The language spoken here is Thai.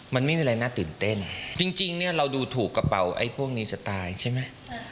มันไม่มีอะไรน่าตื่นเต้นจริงเนี่ยเราดูถูกกระเป๋าไอ้พวกนี้สไตล์ใช่ไหม